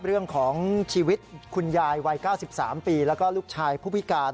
เรื่องของชีวิตคุณยายวัย๙๓ปีแล้วก็ลูกชายผู้พิการ